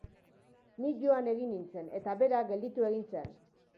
Ni joan egin nintzen, eta bera gelditu egin zen.